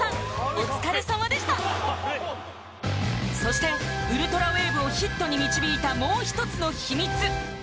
お疲れさまでしたそしてウルトラウェーブをヒットに導いたもう一つの秘密